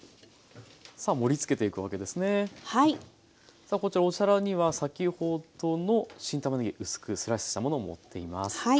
さあこちらお皿には先ほどの新たまねぎ薄くスライスしたものを盛っています。